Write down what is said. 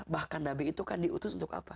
bahkan nabi itu kan diutus untuk apa